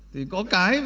thì có cái